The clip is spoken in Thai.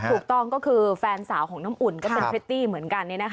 ถูกต้องก็คือแฟนสาวของน้ำอุ่นก็เป็นพริตตี้เหมือนกัน